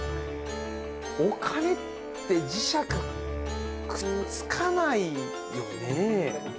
お金って、磁石くっつかないよねぇ。